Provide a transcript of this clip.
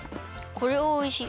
これはおいしい！